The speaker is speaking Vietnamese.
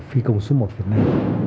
phi công số một việt nam